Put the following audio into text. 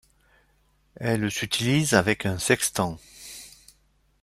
Elles s'utilisent avec un sextant.